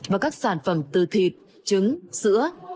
và các sản phẩm từ thịt trứng sữa